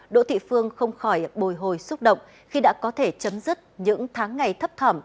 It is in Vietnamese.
đỗ thị phương không khỏi bồi hồi xúc động khi đã có thể chấm dứt những tháng ngày thấp thỏm